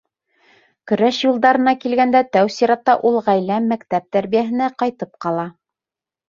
— Көрәш юлдарына килгәндә, тәү сиратта ул ғаилә, мәктәп тәрбиәһенә ҡайтып ҡала.